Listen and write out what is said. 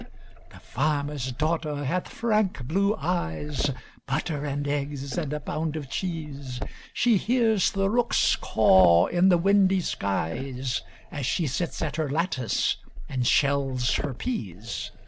The farmerŌĆÖs daughter hath frank blue eyes; (Butter and eggs and a pound of cheese) She hears the rooks caw in the windy skies, As she sits at her lattice and shells her peas.